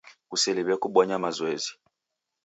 Kuseliwe kubonya mazoezi.